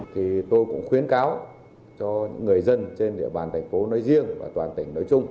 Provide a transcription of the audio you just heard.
thì tôi cũng khuyến cáo cho những người dân trên địa bàn thành phố nói riêng và toàn tỉnh nói chung